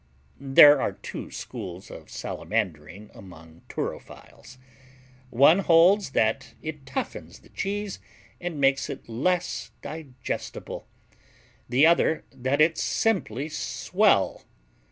There are two schools of salamandering among turophiles. One holds that it toughens the cheese and makes it less digestible; the other that it's simply swell.